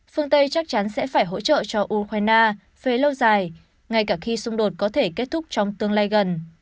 phương tây chắc chắn sẽ phải hỗ trợ cho ukraine về lâu dài ngay cả khi xung đột có thể kết thúc trong tương lai gần